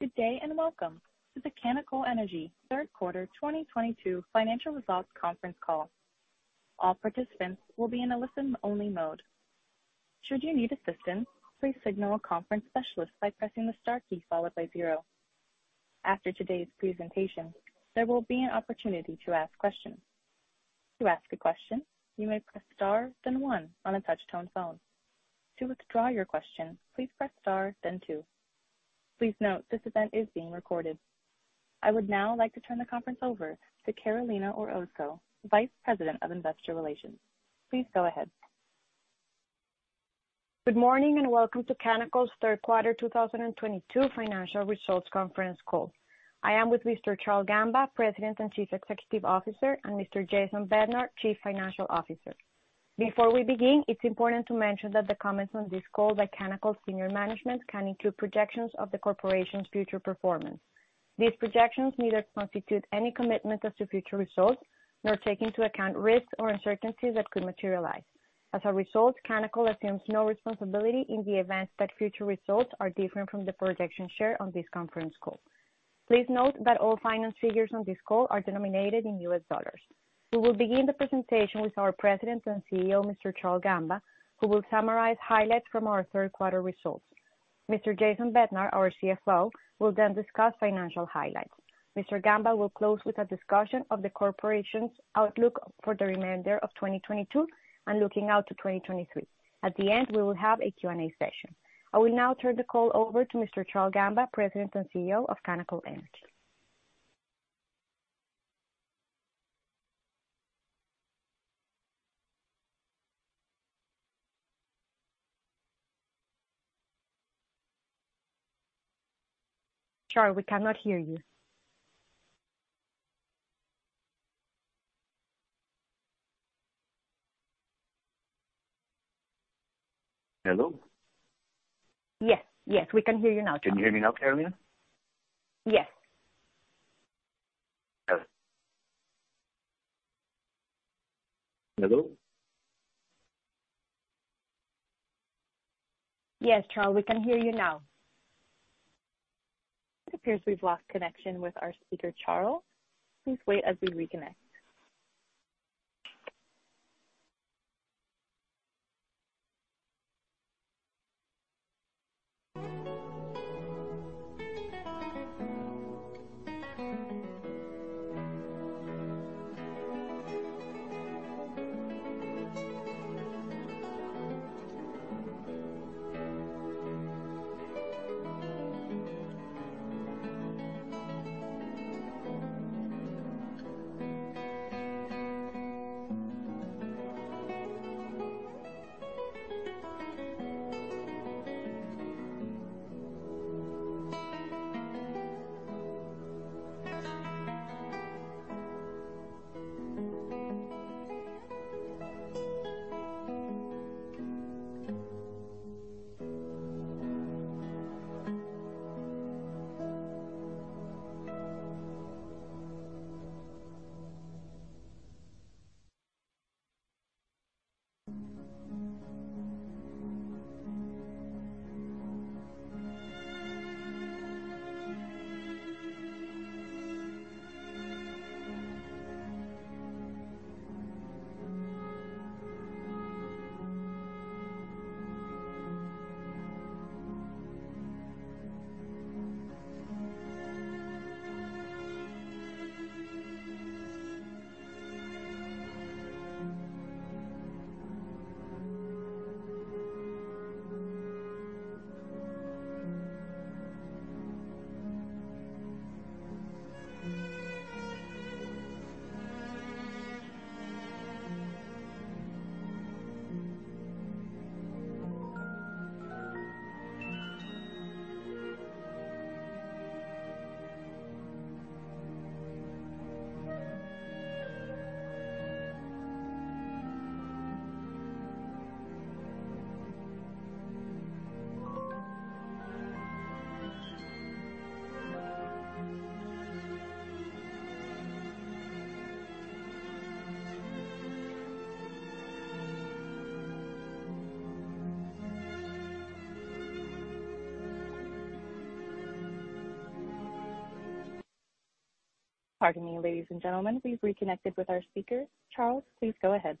Good day, and welcome to the Canacol Energy third quarter 2022 financial results conference call. All participants will be in a listen only mode. Should you need assistance, please signal a conference specialist by pressing the star key followed by zero. After today's presentation, there will be an opportunity to ask questions. To ask a question, you may press star then one on a touchtone phone. To withdraw your question, please press star then two. Please note this event is being recorded. I would now like to turn the conference over to Carolina Orozco, Vice President of Investor Relations. Please go ahead. Good morning and welcome to Canacol's third quarter 2022 financial results conference call. I am with Mr. Charle Gamba, President and Chief Executive Officer, and Mr. Jason Bednar, Chief Financial Officer. Before we begin, it's important to mention that the comments on this call by Canacol senior management can include projections of the corporation's future performance. These projections neither constitute any commitment as to future results, nor take into account risks or uncertainties that could materialize. As a result, Canacol assumes no responsibility in the event that future results are different from the projections shared on this conference call. Please note that all financial figures on this call are denominated in U.S. dollars. We will begin the presentation with our President and CEO, Mr. Charle Gamba, who will summarize highlights from our third quarter results. Mr. Jason Bednar, our CFO, will then discuss financial highlights. Mr. Gamba will close with a discussion of the corporation's outlook for the remainder of 2022 and looking out to 2023. At the end, we will have a Q&A session. I will now turn the call over to Mr. Charle Gamba, President and CEO of Canacol Energy. Charle, we cannot hear you. Hello? Yes. Yes, we can hear you now, Charle. Can you hear me now, Carolina? Yes. Hello? Yes, Charle, we can hear you now. It appears we've lost connection with our speaker, Charle. Please wait as we reconnect. Pardon me, ladies and gentlemen. We've reconnected with our speaker. Charle, please go ahead.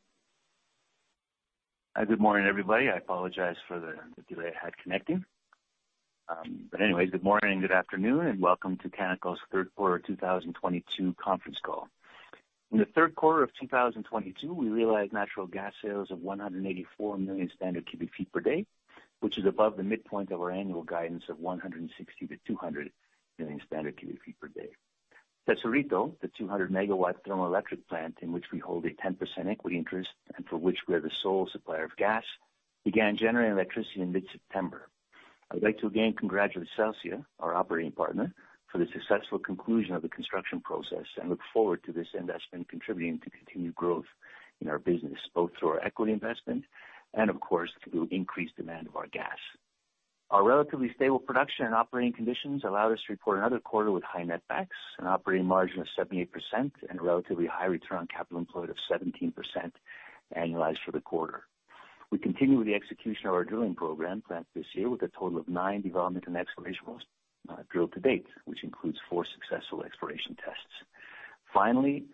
Good morning, everybody. I apologize for the delay I had connecting. But anyway, good morning, good afternoon, and welcome to Canacol's third quarter 2022 conference call. In the third quarter of 2022, we realized natural gas sales of 184 million standard cu ft per day, which is above the midpoint of our annual guidance of 160 million-200 million standard cu ft per day. Tesorito, the 200 MW thermoelectric plant in which we hold a 10% equity interest and for which we are the sole supplier of gas, began generating electricity in mid-September. I would like to again congratulate Celsia, our operating partner, for the successful conclusion of the construction process and look forward to this investment contributing to continued growth in our business, both through our equity investment and of course, through increased demand of our gas. Our relatively stable production and operating conditions allowed us to report another quarter with high netbacks, an operating margin of 78% and a relatively high return on capital employed of 17% annualized for the quarter. We continue with the execution of our drilling program planned this year with a total of nine development and exploration wells, drilled to date, which includes four successful exploration tests. Finally,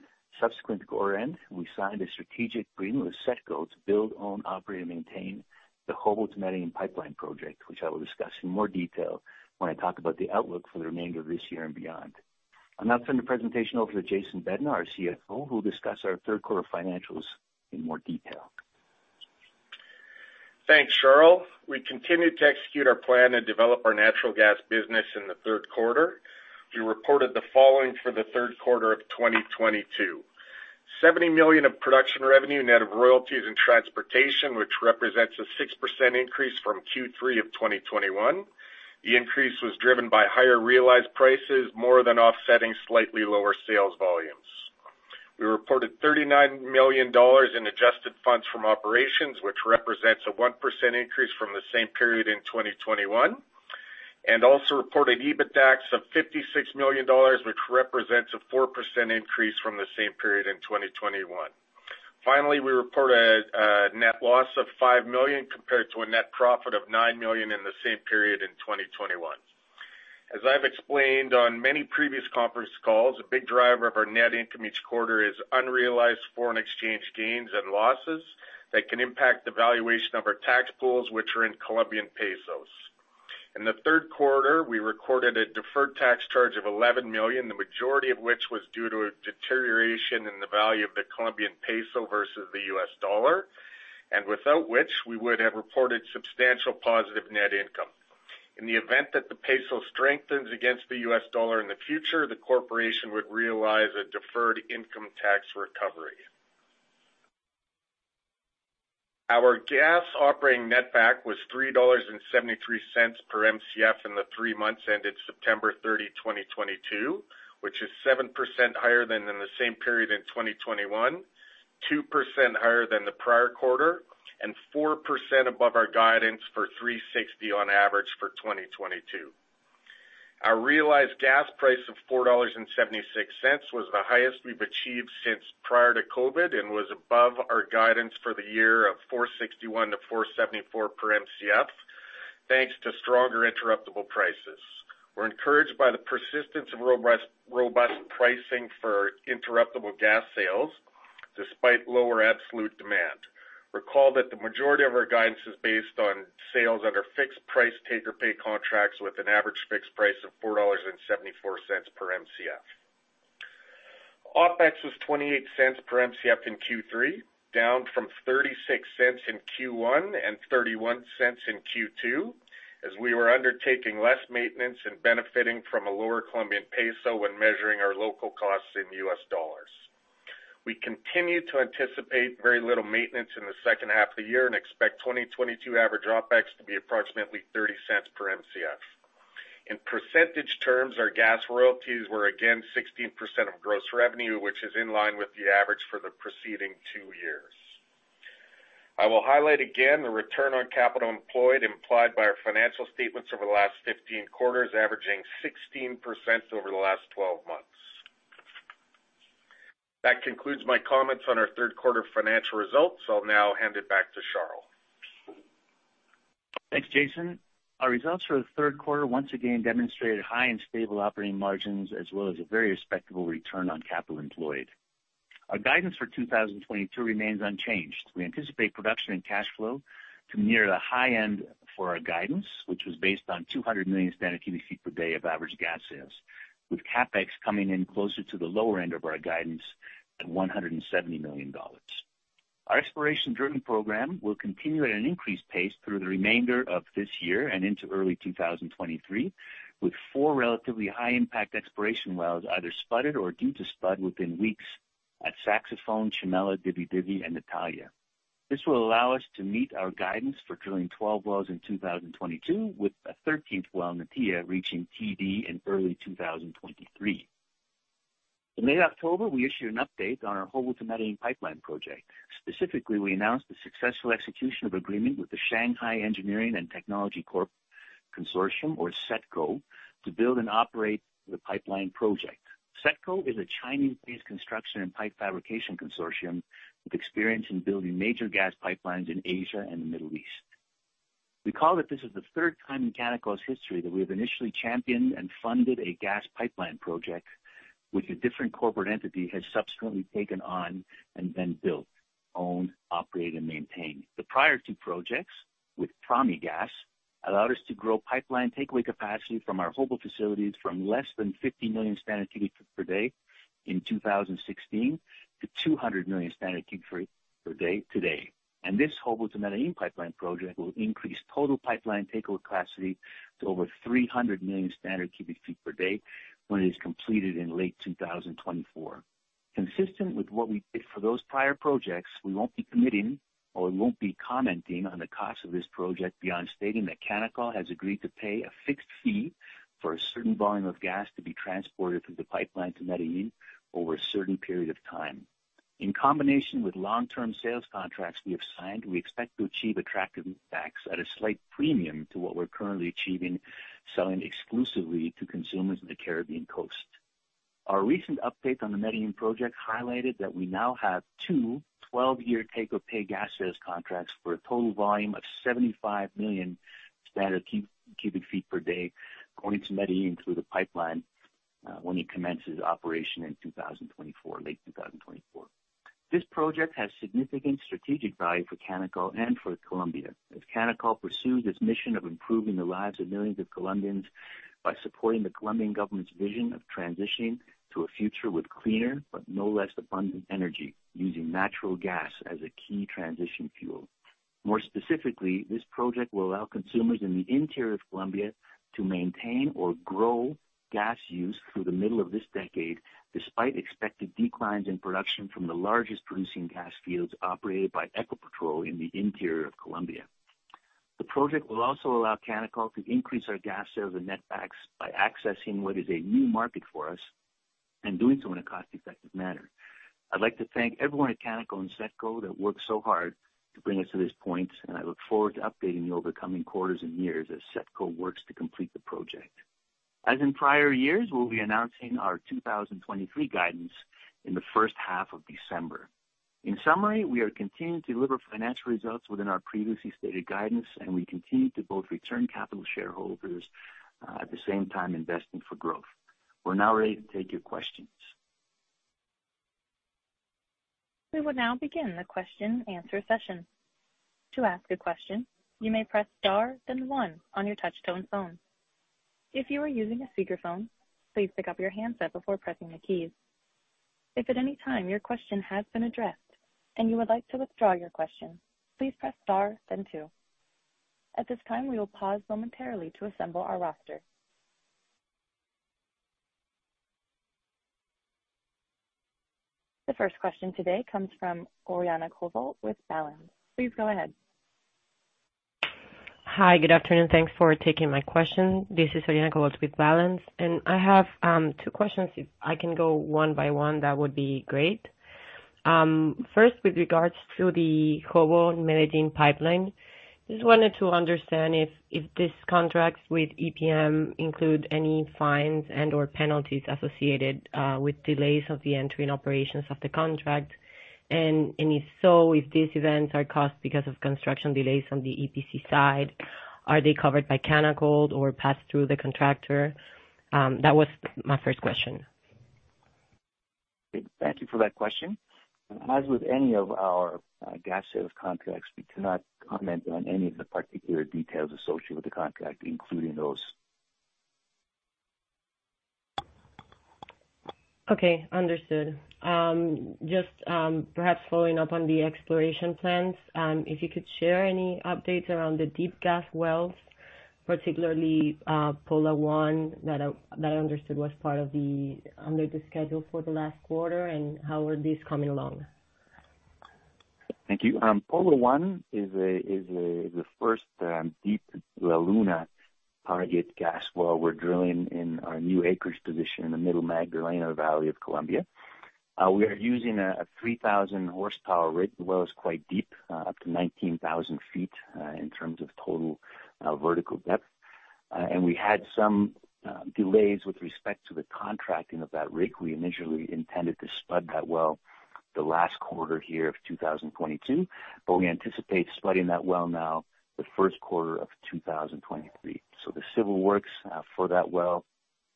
subsequent to quarter end, we signed a strategic agreement with SETCO to build, own, operate, and maintain the Jobo to Medellín pipeline project, which I will discuss in more detail when I talk about the outlook for the remainder of this year and beyond. I'll now turn the presentation over to Jason Bednar, our CFO, who will discuss our third quarter financials in more detail. Thanks, Charle. We continued to execute our plan and develop our natural gas business in the third quarter. We reported the following for the third quarter of 2022. $70 million of production revenue, net of royalties and transportation, which represents a 6% increase from Q3 of 2021. The increase was driven by higher realized prices, more than offsetting slightly lower sales volumes. We reported $39 million in adjusted funds from operations, which represents a 1% increase from the same period in 2021. We also reported EBITDAX of $56 million, which represents a 4% increase from the same period in 2021. Finally, we reported a net loss of $5 million compared to a net profit of $9 million in the same period in 2021. As I've explained on many previous conference calls, a big driver of our net income each quarter is unrealized foreign exchange gains and losses that can impact the valuation of our tax pools, which are in Colombian pesos. In the third quarter, we recorded a deferred tax charge of $11 million, the majority of which was due to a deterioration in the value of the Colombian peso versus the US dollar, and without which we would have reported substantial positive net income. In the event that the peso strengthens against the US dollar in the future, the corporation would realize a deferred income tax recovery. Our gas operating net back was $3.73 per Mcf in the three months ended September 30, 2022, which is 7% higher than in the same period in 2021, 2% higher than the prior quarter, and 4% above our guidance for $3.60 on average for 2022. Our realized gas price of $4.76 was the highest we've achieved since prior to COVID and was above our guidance for the year of $4.61-$4.74 per Mcf, thanks to stronger interruptible prices. We're encouraged by the persistence of robust pricing for interruptible gas sales despite lower absolute demand. Recall that the majority of our guidance is based on sales under fixed price take-or-pay contracts with an average fixed price of $4.74 per Mcf. Opex was $0.28 per Mcf in Q3, down from $0.36 in Q1 and $0.31 in Q2, as we were undertaking less maintenance and benefiting from a lower Colombian peso when measuring our local costs in U.S. dollars. We continue to anticipate very little maintenance in the second half of the year and expect 2022 average OpEx to be approximately $0.30 per Mcf. In percentage terms, our gas royalties were again 16% of gross revenue, which is in line with the average for the preceding two years. I will highlight again the return on capital employed implied by our financial statements over the last 15 quarters, averaging 16% over the last 12 months. That concludes my comments on our third quarter financial results. I'll now hand it back to Charle. Thanks, Jason. Our results for the third quarter once again demonstrated high and stable operating margins as well as a very respectable return on capital employed. Our guidance for 2022 remains unchanged. We anticipate production and cash flow to near the high end for our guidance, which was based on 200 million standardcu ft per day of average gas sales, with CapEx coming in closer to the lower end of our guidance at $170 million. Our exploration drilling program will continue at an increased pace through the remainder of this year and into early 2023, with four relatively high-impact exploration wells either spudded or due to spud within weeks at Saxafón, Chimela, Dividivi and Natilla. This will allow us to meet our guidance for drilling 12 wells in 2022, with a 13th well, Natilla, reaching TD in early 2023. In late October, we issued an update on our Jobo to Medellín pipeline project. Specifically, we announced the successful execution of agreement with the Shanghai Engineering and Technology Corp. Consortium, or SETCO, to build and operate the pipeline project. SETCO is a Chinese-based construction and pipe fabrication consortium with experience in building major gas pipelines in Asia and the Middle East. Recall that this is the 3rd time in Canacol's history that we have initially championed and funded a gas pipeline project, which a different corporate entity has subsequently taken on and then built, own, operate, and maintain. The prior two projects with Promigas allowed us to grow pipeline takeaway capacity from our Jobo facilities from less than 50 million standard cu ft per day in 2016 to 200 million standard cu ft per day today. This Jobo to Medellín pipeline project will increase total pipeline takeaway capacity to over 300 million standard cu ft per day when it is completed in late 2024. Consistent with what we did for those prior projects, we won't be committing or we won't be commenting on the cost of this project beyond stating that Canacol has agreed to pay a fixed fee for a certain volume of gas to be transported through the pipeline to Medellín over a certain period of time. In combination with long-term sales contracts we have signed, we expect to achieve attractive effects at a slight premium to what we're currently achieving, selling exclusively to consumers in the Caribbean coast. Our recent update on the Medellín project highlighted that we now have two 12-year take-or-pay gas sales contracts for a total volume of 75 million standard cu ft per day going to Medellín through the pipeline, when it commences operation in 2024, late 2024. This project has significant strategic value for Canacol and for Colombia as Canacol pursues its mission of improving the lives of millions of Colombians by supporting the Colombian government's vision of transitioning to a future with cleaner but no less abundant energy, using natural gas as a key transition fuel. More specifically, this project will allow consumers in the interior of Colombia to maintain or grow gas use through the middle of this decade, despite expected declines in production from the largest producing gas fields operated by Ecopetrol in the interior of Colombia. The project will also allow Canacol to increase our gas sales and net backs by accessing what is a new market for us and doing so in a cost-effective manner. I'd like to thank everyone at Canacol and SETCO that worked so hard to bring us to this point, and I look forward to updating you over the coming quarters and years as SETCO works to complete the project. As in prior years, we'll be announcing our 2023 guidance in the first half of December. In summary, we are continuing to deliver financial results within our previously stated guidance, and we continue to both return capital to shareholders, at the same time investing for growth. We're now ready to take your questions. We will now begin the question-and-answer session. To ask a question, you may press star then one on your touchtone phone. If you are using a speakerphone, please pick up your handset before pressing the keys. If at any time your question has been addressed and you would like to withdraw your question, please press star then two. At this time, we will pause momentarily to assemble our roster. The first question today comes from Oriana Koval with Balanz. Please go ahead. Hi. Good afternoon. Thanks for taking my question. This is Oriana Koval with Balanz, and I have two questions. If I can go one by one, that would be great. First, with regards to the Jobo to Medellín pipeline, just wanted to understand if these contracts with EPM include any fines and/or penalties associated with delays of the entry and operations of the contract. If so, if these events are caused because of construction delays on the EPC side, are they covered by Canacol or passed through the contractor? That was my first question. Thank you for that question. As with any of our gas sales contracts, we cannot comment on any of the particular details associated with the contract, including those. Okay, understood. Just perhaps following up on the exploration plans, if you could share any updates around the deep gas wells, particularly Pola-1 that I understood was part of the schedule for the last quarter, and how are these coming along? Thank you. Pola-1 is the first deep La Luna target gas well we're drilling in our new acreage position in the Middle Magdalena Valley of Colombia. We are using a 3,000 hp rig. The well is quite deep, up to 19,000 ft in terms of total vertical depth. We had some delays with respect to the contracting of that rig. We initially intended to spud that well the last quarter here of 2022, but we anticipate spudding that well now the first quarter of 2023. The civil works for that well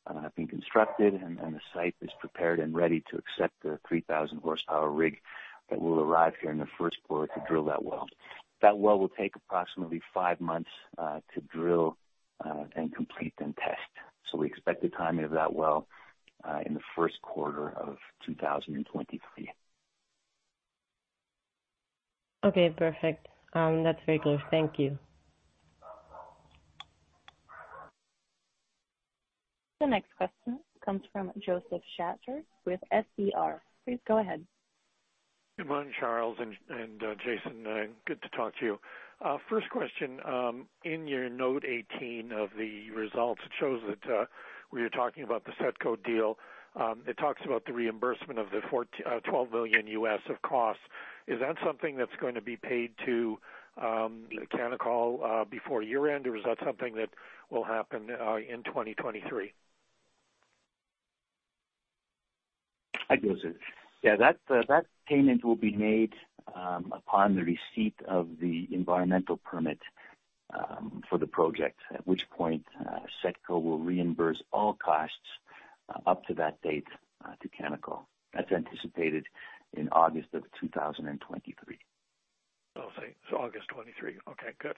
have been constructed and the site is prepared and ready to accept the 3,000 hp rig that will arrive here in the first quarter to drill that well. That well will take approximately five months to drill and complete then test. We expect the timing of that well in the first quarter of 2023. Okay, perfect. That's very clear. Thank you. The next question comes from Josef Schachter with SER. Please go ahead. Good morning, Charle and Jason. Good to talk to you. First question. In your Note 18 of the results, it shows that where you're talking about the SETCO deal, it talks about the reimbursement of the $12 million of costs. Is that something that's going to be paid to Canacol before year-end, or is that something that will happen in 2023? Hi, Josef. Yeah, that payment will be made upon the receipt of the environmental permit for the project, at which point SETCO will reimburse all costs up to that date to Canacol. That's anticipated in August of 2023. I see. August 2023. Okay, good.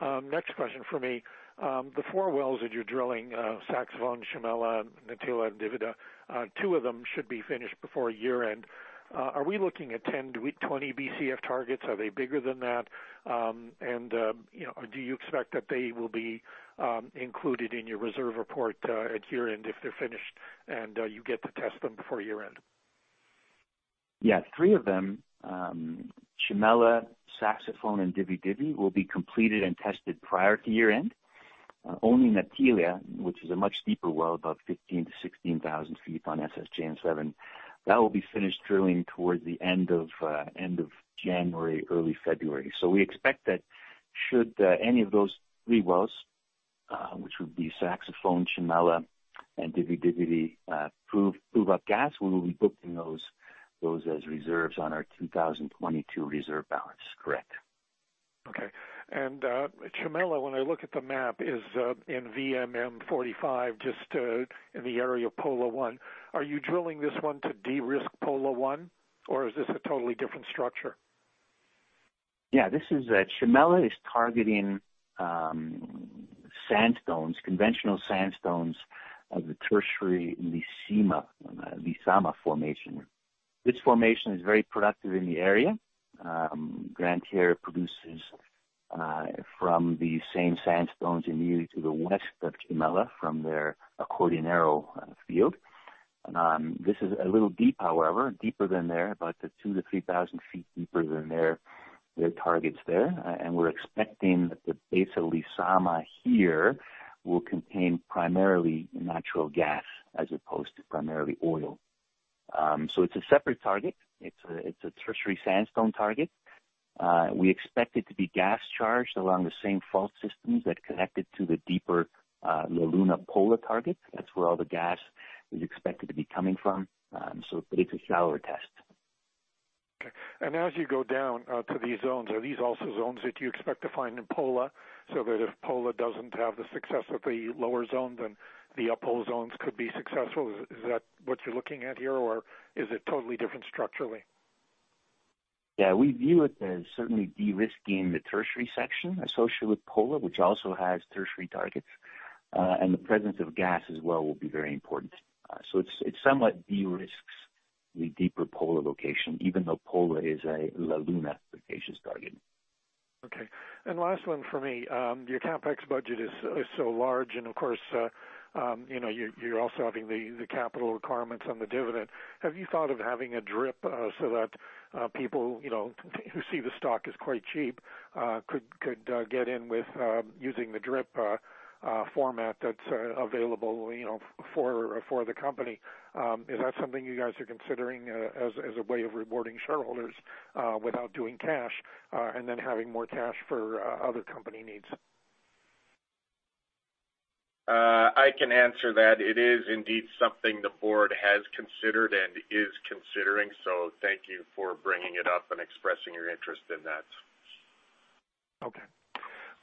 Next question from me. The four wells that you're drilling, Saxafón, Chimela, Natilla, and Dividivi, two of them should be finished before year-end. Are we looking at 10-20 Bcf targets? Are they bigger than that? You know, do you expect that they will be included in your reserve report at year-end if they're finished and you get to test them before year-end? Yeah. Three of them, Chimela, Saxafón and Dividivi will be completed and tested prior to year-end. Only Natilla, which is a much deeper well, about 15,000-16,000 ft on SSJN-7, that will be finished drilling towards the end of January, early February. We expect that should any of those three wells, which would be Saxafón, Chimela and Dividivi, prove up gas. We will be booking those as reserves on our 2022 reserve balance. Correct. Okay. Chimela, when I look at the map, is in VMM-45, just in the area of Pola-1. Are you drilling this one to de-risk Pola-1, or is this a totally different structure? Yeah, this is Chimela targeting sandstones, conventional sandstones of the Tertiary Lisama formation. This formation is very productive in the area. Gran Tierra produces from the same sandstones immediately to the west of Chimela from their Acordionero field. This is a little deeper, however. Deeper than there, about 2,000-3,000 ft deeper than their targets there. We're expecting that the base of Lisama here will contain primarily natural gas as opposed to primarily oil. It's a separate target. It's a Tertiary sandstone target. We expect it to be gas-charged along the same fault systems that connect it to the deeper La Luna Pola target. That's where all the gas is expected to be coming from. It's a shallower test. Okay. As you go down to these zones, are these also zones that you expect to find in Pola so that if Pola doesn't have the success at the lower zone, then the upper zones could be successful? Is that what you're looking at here, or is it totally different structurally? Yeah, we view it as certainly de-risking the Tertiary section associated with Pola, which also has Tertiary targets. The presence of gas as well will be very important. It somewhat de-risks the deeper Pola location, even though Pola is a La Luna exploration target. Okay. Last one for me. Your CapEx budget is so large and of course, you know, you're also having the capital requirements on the dividend. Have you thought of having a DRIP, so that people, you know, who see the stock is quite cheap, could get in with using the DRIP format that's available, you know, for the company? Is that something you guys are considering, as a way of rewarding shareholders without doing cash and then having more cash for other company needs? I can answer that. It is indeed something the board has considered and is considering. Thank you for bringing it up and expressing your interest in that. Okay.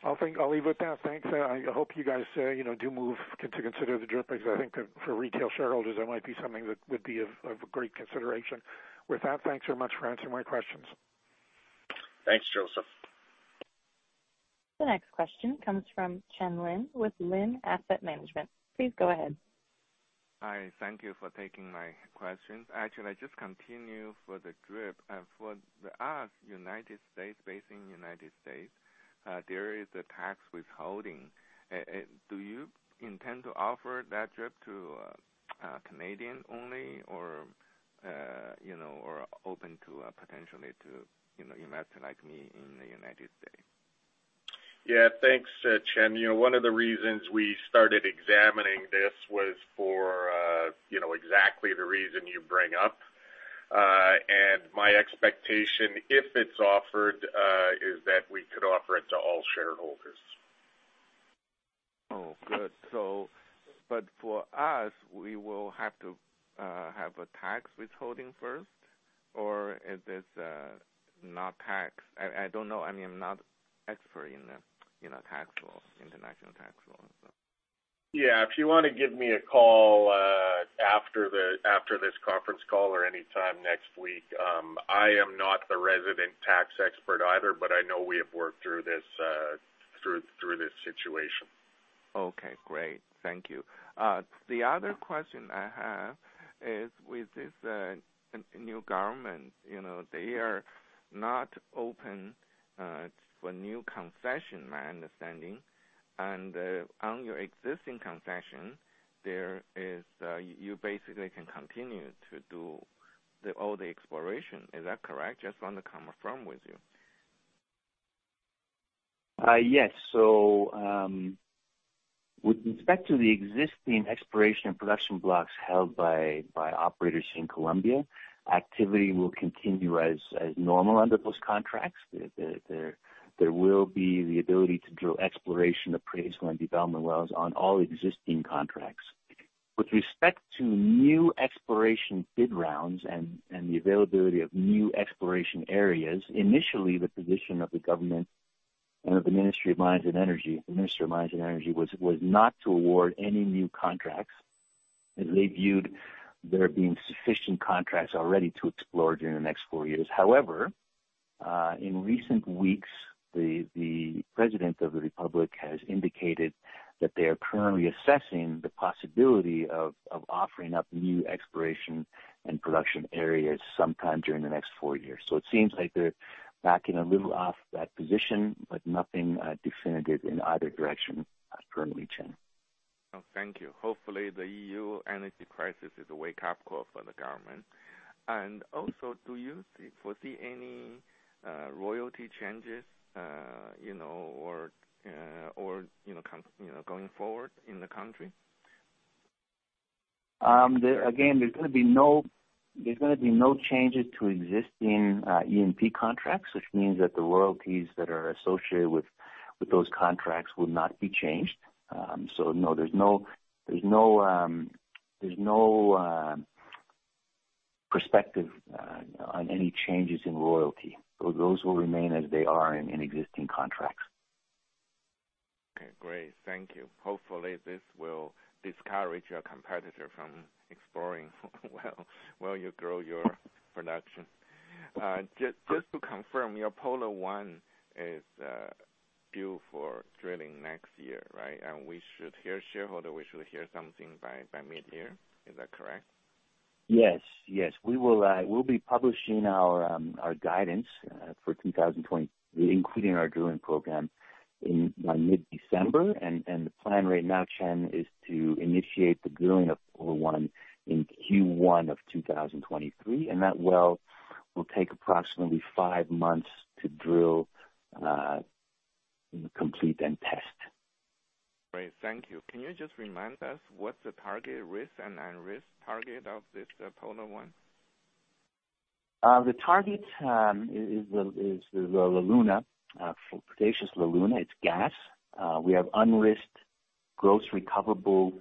I'll leave it there. Thanks. I hope you guys, you know, do move to consider the DRIP because I think that for retail shareholders it might be something that would be of great consideration. With that, thanks very much for answering my questions. Thanks, Josef. The next question comes from Chen Lin with Lin Asset Management. Please go ahead. Hi. Thank you for taking my questions. Actually, just continue for the DRIP. For us, United States based in United States, there is a tax withholding. Do you intend to offer that DRIP to Canadian only or, you know, or open to potentially to, you know, investor like me in the United States? Yeah. Thanks, Chen. You know, one of the reasons we started examining this was for, you know, exactly the reason you bring up. My expectation, if it's offered, is that we could offer it to all shareholders. Oh, good. But for us, we will have to have a tax withholding first, or is this not taxed? I don't know. I mean, I'm not expert in the tax law, international tax law, so. Yeah. If you wanna give me a call, after this conference call or any time next week. I am not the resident tax expert either, but I know we have worked through this situation. Okay, great. Thank you. The other question I have is with this new government, you know, they are not open for new concession, my understanding. On your existing concession, you basically can continue to do all the exploration. Is that correct? Just want to confirm with you. Yes. With respect to the existing exploration and production blocks held by operators in Colombia, activity will continue as normal under those contracts. There will be the ability to drill exploration, appraisal, and development wells on all existing contracts. With respect to new exploration bid rounds and the availability of new exploration areas, initially, the position of the government and of the Ministry of Mines and Energy, the Ministry of Mines and Energy was not to award any new contracts, as they viewed there being sufficient contracts already to explore during the next four years. However, in recent weeks, the president of the republic has indicated that they are currently assessing the possibility of offering up new exploration and production areas sometime during the next four years. It seems like they're backing a little off that position, but nothing definitive in either direction currently, Chen. Oh, thank you. Hopefully, the EU energy crisis is a wake-up call for the government. Do you foresee any royalty changes, you know, or coming, you know, going forward in the country? Again, there's gonna be no changes to existing E&P contracts, which means that the royalties that are associated with those contracts will not be changed. No, there's no prospect, you know, on any changes in royalty. Those will remain as they are in existing contracts. Okay, great. Thank you. Hopefully, this will discourage your competitor from exploring well, while you grow your production. Just to confirm, your Pola-1 is due for drilling next year, right? We should hear something by mid-year. Is that correct? Yes. We will, we'll be publishing our guidance for 2023, including our drilling program in by mid-December. The plan right now, Chen, is to initiate the drilling of Pola-1 in Q1 of 2023, and that well will take approximately five months to drill, complete, and test. Great. Thank you. Can you just remind us what's the target risk and unrisked target of this, Pola-1? The target is the La Luna. For Cretaceous La Luna, it's gas. We have unrisked gross recoverable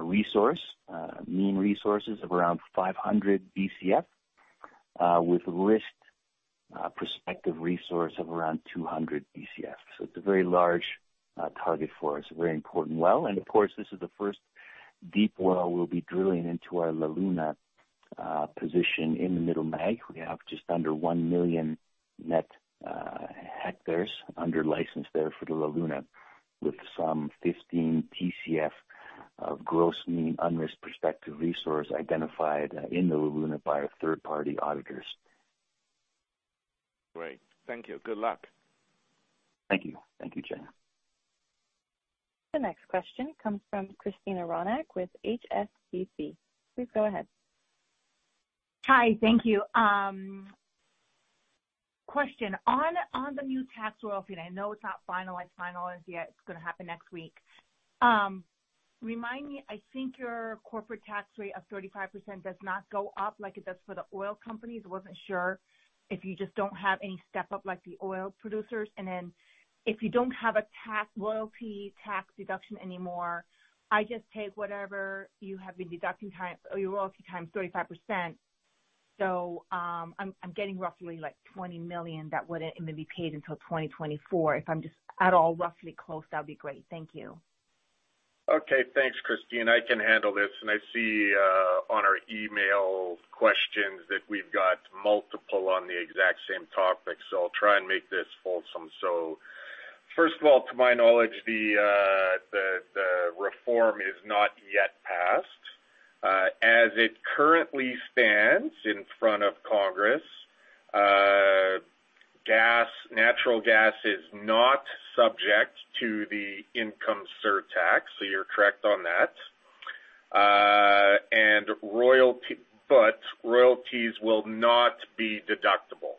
resource mean resources of around 500 Bcf, with risked prospective resource of around 200 Bcf. It's a very large target for us, a very important well. Of course, this is the first deep well we'll be drilling into our La Luna position in the Middle Magdalena. We have just under 1 million net hectares under license there for the La Luna, with some 15 Tcf of gross mean unrisked prospective resource identified in the La Luna by our third-party auditors. Great. Thank you. Good luck. Thank you. Thank you, Chen. The next question comes from Christina Ronac with HSBC. Please go ahead. Hi. Thank you. Question on the new tax royalty, and I know it's not finalized yet. It's gonna happen next week. Remind me, I think your corporate tax rate of 35% does not go up like it does for the oil companies. Wasn't sure if you just don't have any step up like the oil producers. Then if you don't have a tax royalty tax deduction anymore, I just take whatever you have been deducting times your royalty times 35%. I'm getting roughly like $20 million that wouldn't even be paid until 2024. If I'm just at all roughly close, that'd be great. Thank you. Okay. Thanks, Christina. I can handle this. I see on our email questions that we've got multiple on the exact same topic, so I'll try and make this fulsome. First of all, to my knowledge, the reform is not yet passed. As it currently stands in front of Congress, gas, natural gas is not subject to the income surtax, so you're correct on that. Royalties will not be deductible.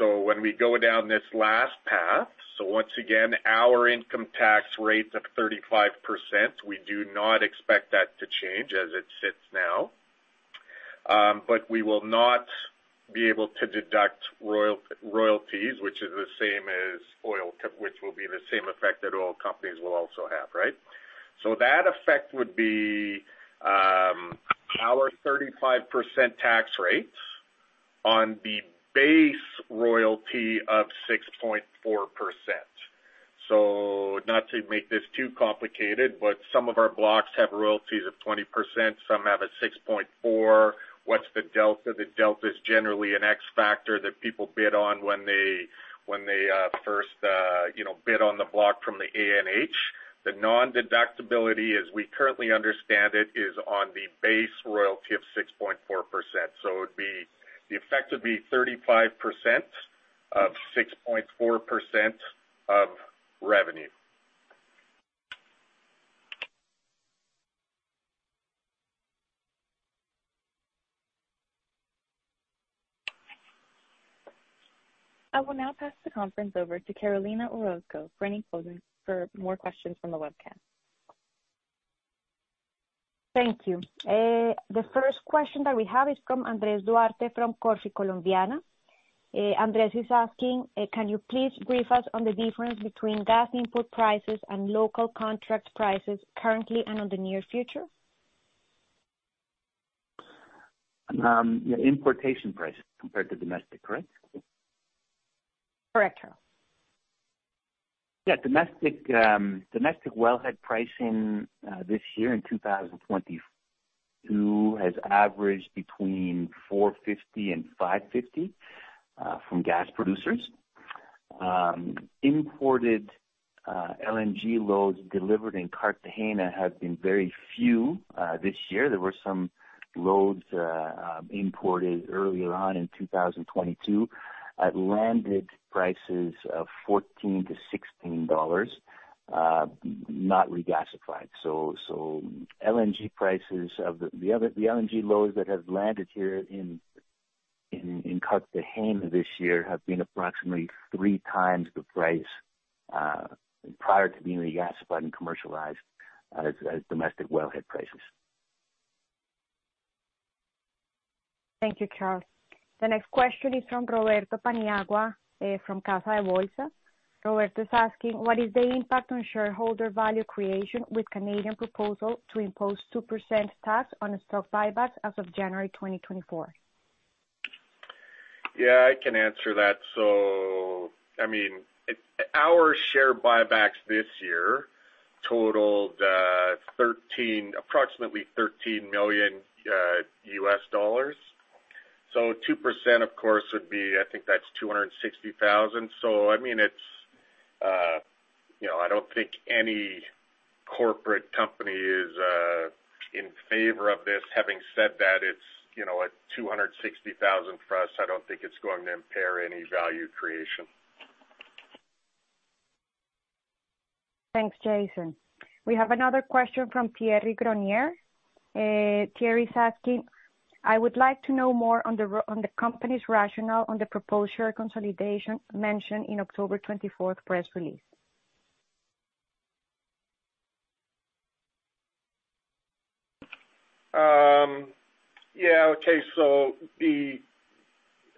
When we go down this last path, once again, our income tax rate of 35%, we do not expect that to change as it sits now. We will not be able to deduct royalties, which is the same as oil, which will be the same effect that oil companies will also have, right? That effect would be our 35% tax rate on the base royalty of 6.4%. Not to make this too complicated, but some of our blocks have royalties of 20%, some have a 6.4%. What's the delta? The delta is generally an X factor that people bid on when they first, you know, bid on the block from the ANH. The non-deductibility, as we currently understand it, is on the base royalty of 6.4%. It would be the effect would be 35% of 6.4% of revenue. I will now pass the conference over to Carolina Orozco for more questions from the webcast. Thank you. The first question that we have is from Andres Duarte from Corficolombiana. Andres is asking, can you please brief us on the difference between gas input prices and local contract prices currently and on the near future? Yeah, importation prices compared to domestic, correct? Correct. Domestic wellhead pricing this year in 2022 has averaged between $4.50-$5.50 from gas producers. Imported LNG loads delivered in Cartagena have been very few this year. There were some loads imported earlier on in 2022 at landed prices of $14-$16 not regasified. The LNG loads that have landed here in Prices in Cartagena this year have been approximately three times the price prior to being re-gasified and commercialized as domestic wellhead prices. Thank you, Charle. The next question is from Roberto Paniagua from Casa de Bolsa. Roberto's asking: What is the impact on shareholder value creation with Canadian proposal to impose 2% tax on stock buybacks as of January 2024? Yeah, I can answer that. I mean, our share buybacks this year totaled approximately $13 million. Two percent, of course, would be. I think that's $260,000. I mean, it's, you know, I don't think any corporate company is in favor of this. Having said that, it's, you know, at $260,000 for us, I don't think it's going to impair any value creation. Thanks, Jason. We have another question from Thierry Gronier. Thierry's asking: I would like to know more on the company's rationale on the proposed consolidation mentioned in October 24th press release.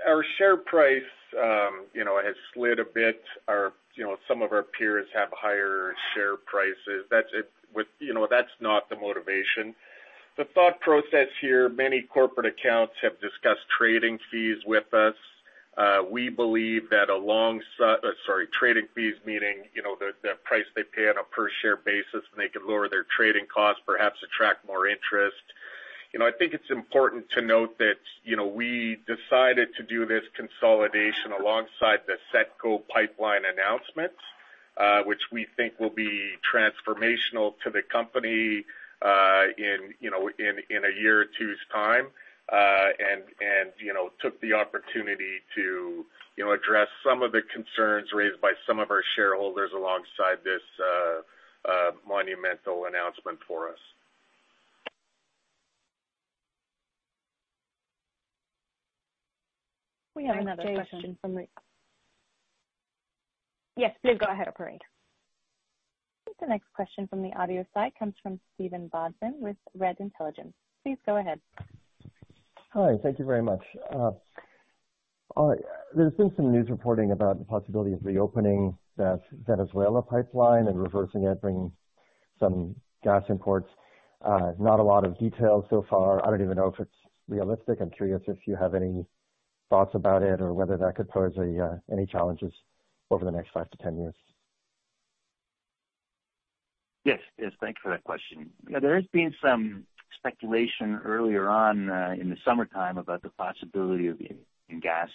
Our share price, you know, has slid a bit. Our you know, some of our peers have higher share prices. That's it. You know, that's not the motivation. The thought process here, many corporate accounts have discussed trading fees with us. We believe that alongside trading fees, meaning, you know, the price they pay on a per share basis, and they can lower their trading costs, perhaps attract more interest. You know, I think it's important to note that, you know, we decided to do this consolidation alongside the SETCO pipeline announcement, which we think will be transformational to the company in you know, a year or two's time. You know, took the opportunity to, you know, address some of the concerns raised by some of our shareholders alongside this monumental announcement for us. We have another question from the. Thanks, Jason. Yes, please go ahead, Corinne. The next question from the audio side comes from Steven Bodzin with REDD Intelligence. Please go ahead. Hi, thank you very much. All right. There's been some news reporting about the possibility of reopening that Venezuela pipeline and reversing it, bringing some gas imports. Not a lot of details so far. I don't even know if it's realistic. I'm curious if you have any thoughts about it or whether that could pose any challenges over the next 5-10 years. Yes. Yes, thanks for that question. Yeah, there has been some speculation earlier on in the summertime about the possibility of importing gas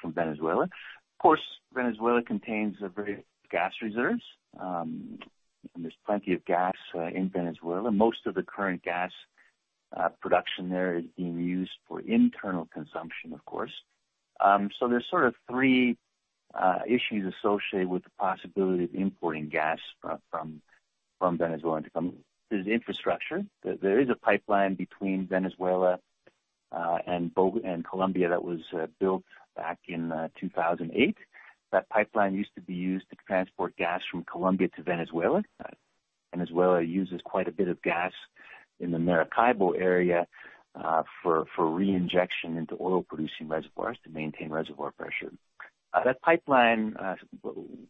from Venezuela. Of course, Venezuela contains a variety of gas reserves, and there's plenty of gas in Venezuela. Most of the current gas production there is being used for internal consumption, of course. So there's sort of three issues associated with the possibility of importing gas from Venezuela into Colombia. There's infrastructure. There is a pipeline between Venezuela and Colombia that was built back in 2008. That pipeline used to be used to transport gas from Colombia to Venezuela. Venezuela uses quite a bit of gas in the Maracaibo area for reinjection into oil-producing reservoirs to maintain reservoir pressure. That pipeline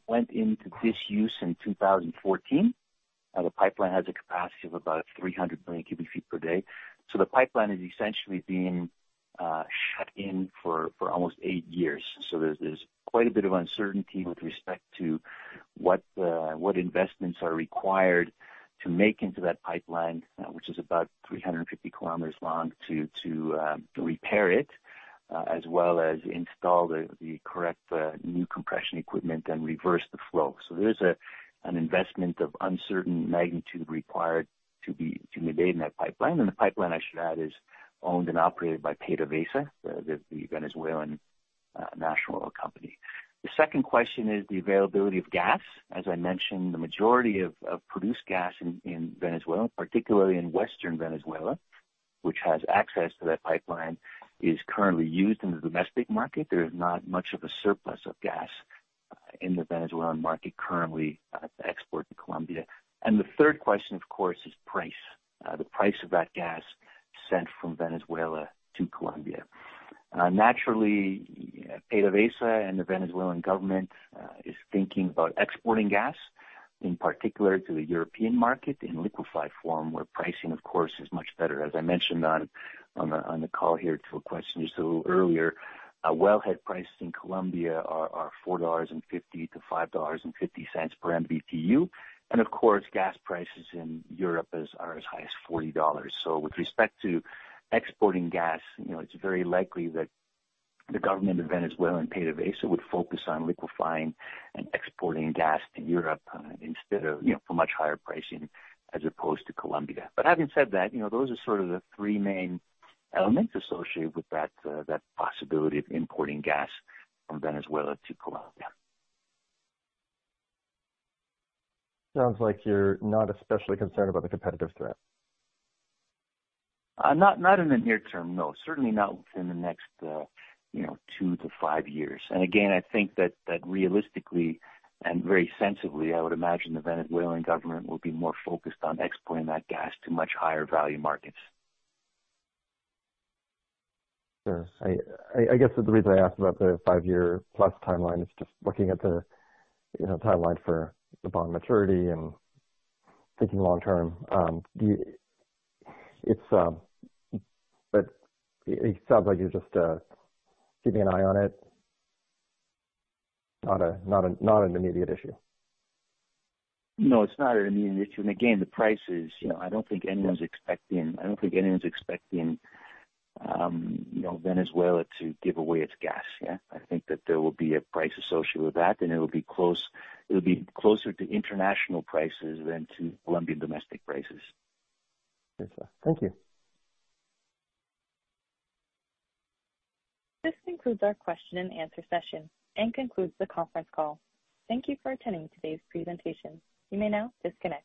went into disuse in 2014. The pipeline has a capacity of about 300 million cu ft per day. The pipeline is essentially being shut in for almost eight years. There's quite a bit of uncertainty with respect to what investments are required to make into that pipeline, which is about 350 kilometers long to repair it, as well as install the correct new compression equipment and reverse the flow. There is an investment of uncertain magnitude required to be made in that pipeline. The pipeline, I should add, is owned and operated by PDVSA, the Venezuelan national oil company. The second question is the availability of gas. As I mentioned, the majority of produced gas in Venezuela, particularly in western Venezuela, which has access to that pipeline, is currently used in the domestic market. There is not much of a surplus of gas in the Venezuelan market currently to export to Colombia. The third question, of course, is price. The price of that gas sent from Venezuela to Colombia. Naturally, PDVSA and the Venezuelan government is thinking about exporting gas, in particular to the European market, in liquefied form, where pricing, of course, is much better. As I mentioned on the call here to a question just a little earlier, wellhead prices in Colombia are $4.50-$5.50 per MBTU. Of course, gas prices in Europe are as high as $40. With respect to exporting gas, you know, it's very likely that the government of Venezuela and PDVSA would focus on liquefying and exporting gas to Europe, instead of, you know, for much higher pricing as opposed to Colombia. Having said that, you know, those are sort of the three main elements associated with that possibility of importing gas from Venezuela to Colombia. Sounds like you're not especially concerned about the competitive threat. Not in the near term, no. Certainly not within the next, you know, 2-5 years. Again, I think that realistically and very sensibly, I would imagine the Venezuelan government will be more focused on exporting that gas to much higher value markets. Sure. I guess the reason I ask about the 5-year+ timeline is just looking at the, you know, timeline for the bond maturity and thinking long term. It sounds like you're just keeping an eye on it. Not an immediate issue. No, it's not an immediate issue. Again, the prices, you know, I don't think anyone's expecting, you know, Venezuela to give away its gas. Yeah. I think that there will be a price associated with that, and it'll be closer to international prices than to Colombian domestic prices. Yes, sir. Thank you. This concludes our question and answer session and concludes the conference call. Thank you for attending today's presentation. You may now disconnect.